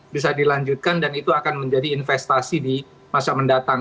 bisa dilanjutkan dan itu akan menjadi investasi di masa mendatang